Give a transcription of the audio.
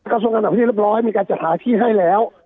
กระทรวงการต่างประเทศเรียบร้อยมีการจัดหาที่ให้แล้ว